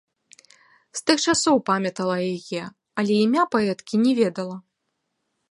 З тых часоў памятала яе, але імя паэткі не ведала.